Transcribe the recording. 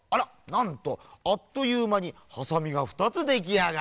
なんとあっというまにハサミが２つできあがり。